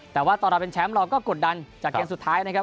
แต่ว่าตอนเราเป็นแชมป์เราก็กดดันจากเกมสุดท้ายนะครับ